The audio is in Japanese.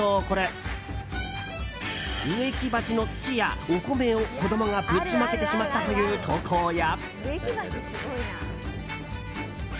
植木鉢の土や、お米を子供が、ぶちまけてしまったという投稿や。